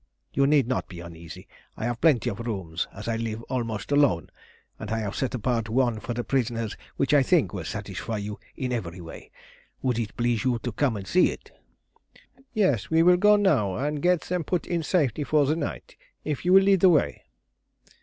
You need not be uneasy. I have plenty of rooms, as I live almost alone, and I have set apart one for the prisoners which I think will satisfy you in every way. Would it please you to come and see it?" "Yes, we will go now and get them put in safety for the night, if you will lead the way."